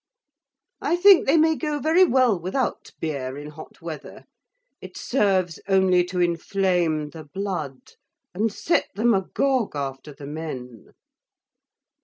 I think they may go very well without beer in hot weather it serves only to inflame the blood, and set them a gog after the men.